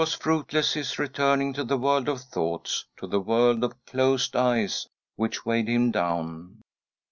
fruitless his returning to the world of thoughts, .' to the world of closed eyes, which weighed him down.